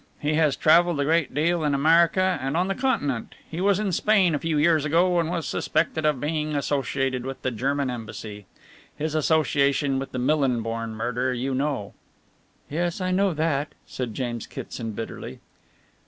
He has travelled a great deal in America and on the Continent. He was in Spain a few years ago and was suspected of being associated with the German Embassy. His association with the Millinborn murder you know." "Yes, I know that," said James Kitson bitterly.